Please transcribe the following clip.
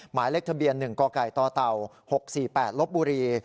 หมายเลขทะเบียน๑กกตเต่า๖๔๘ลบบุรี